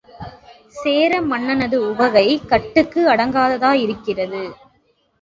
சேரமன்னனது உவகை கட்டுக்கு அடங்காததாகிறது.